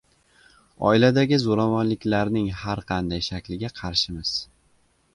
Oiladagi zo‘ravonliklarning har qanday shakliga qarshimiz